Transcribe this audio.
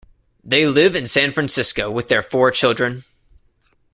They live in San Francisco with their four children.